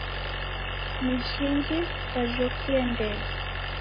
Na jhingi kwajokie ndege?